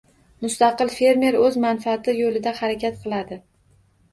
Mustaqil fermer o‘z manfaati yo‘lida harakat qiladi